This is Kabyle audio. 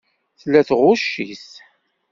Tella tɣucc-it.